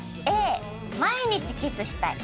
毎日キスしたい。